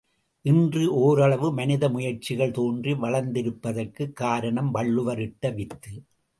இன்று ஓரளவு மனித முயற்சிகள் தோன்றி வளர்ந்திருப்பதற்குக் காரணம் வள்ளுவர் இட்ட வித்து.